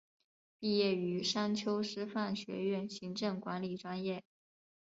毕业于商丘师范学院行政管理专业。